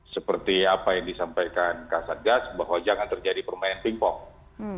seperti apa yang disampaikan kasatgas bahwa jangan terjadi permainan pingpong